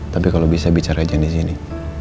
tapi kalau bisa bicara saja di sini